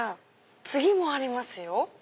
次もありますよ！